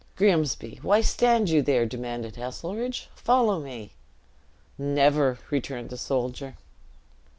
"Grimsby, why stand you there?" demanded Heselrigge: "follow me." "Never," returned the soldier.